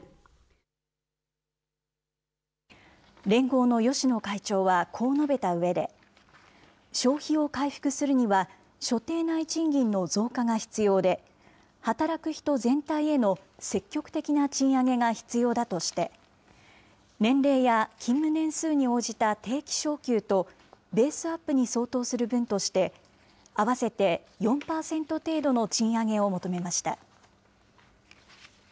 連合の芳野会長はこう述べたうえで、消費を回復するには、所定内賃金の増加が必要で、働く人全体への積極的な賃上げが必要だとして、年齢や勤務年数に応じた定期昇給と、ベースアップに相当する分として、合わせて４％程度の賃上げを求めました。